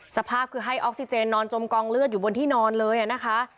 สภาพคือให้ออกซิเจนนอนจมกองเลือดอยู่บนที่นอนเลยนะคะ